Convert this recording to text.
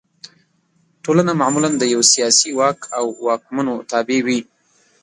ټولنه معمولا د یوه سیاسي واک او واکمنو تابع وي.